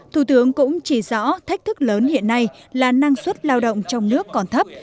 thủ tướng cũng chỉ rõ thách thức lớn hiện nay là năng suất lao động trong nước còn thấp